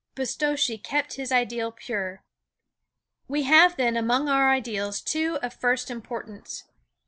Pistocchi kept his ideal pure. We have then among our ideals two of first importance.